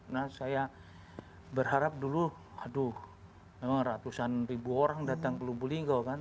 nah saya berharap dulu aduh memang ratusan ribu orang datang ke lubu linggau kan